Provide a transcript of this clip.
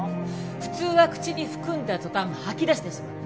普通は口に含んだ途端吐き出してしまう。